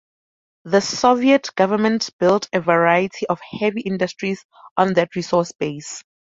The Soviet government built a variety of heavy industries on that resource base.